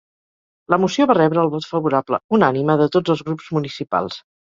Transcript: La moció va rebre el vot favorable unànime de tots els grups municipals.